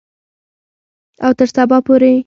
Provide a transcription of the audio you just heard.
او تر سبا پورې.